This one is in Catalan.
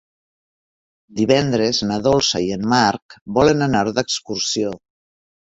Divendres na Dolça i en Marc volen anar d'excursió.